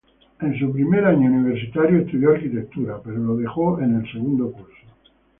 En sus primeros años universitarios estudió Arquitectura pero lo dejó en segundo curso.